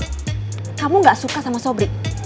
tapi kamu gak suka sama sobri